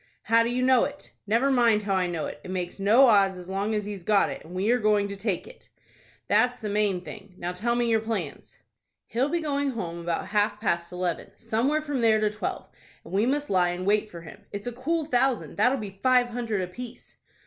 "How do you know it?" "Never mind how I know it. It makes no odds as long as he's got it, and we are going to take it." "That's the main thing. Now tell me your plans." "He'll be going home about half past eleven, somewhere from there to twelve, and we must lie in wait for him. It's a cool thousand, that'll be five hundred apiece."